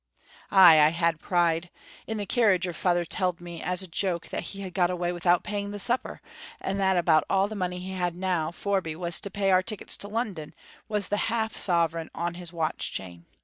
"Ay, I had pride! In the carriage your father telled me as a joke that he had got away without paying the supper, and that about all the money he had now, forby what was to pay our tickets to London, was the half sovereign on his watch chain.